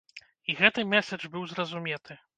І гэты мэсэдж быў зразуметы.